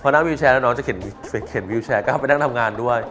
นั่งวิวแชร์แล้วน้องจะเข็นวิวแชร์ก็เข้าไปนั่งทำงานด้วย